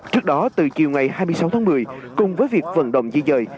trước đó từ chiều ngày hai mươi sáu tháng một mươi cùng với việc vận động di dời